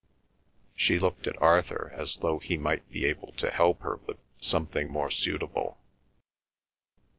She looked at Arthur as though he might be able to help her with something more suitable.